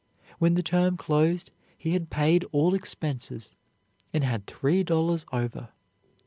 When the term closed, he had paid all expenses and had three dollars over.